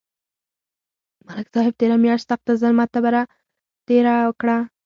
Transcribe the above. ملک صاحب تېره میاشت سخته ظلمه تبه تېره کړه.